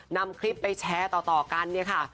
นำคลิปไปแชร์ต่อกันค่ะ